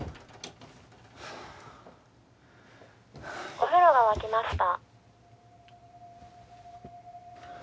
お風呂が沸きました。